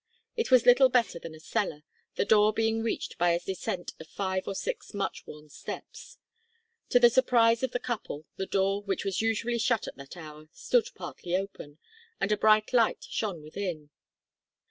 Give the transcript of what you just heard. It was little better than a cellar, the door being reached by a descent of five or six much worn steps. To the surprise of the couple the door, which was usually shut at that hour, stood partly open, and a bright light shone within.